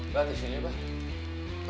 ya disini pak